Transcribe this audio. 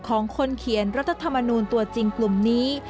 ของคนเขียนรัฐธรรมนูลตัวจริงกลุ่มนี้